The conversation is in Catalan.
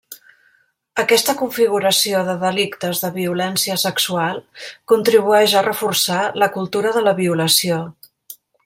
Aquesta configuració de delictes de violència sexual contribueix a reforçar la cultura de la violació.